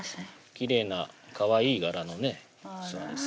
きれいなかわいい柄のね器です